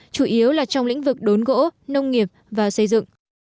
chủ yếu là trong lĩnh vực đốn gỗ nông nghiệp và xây dựng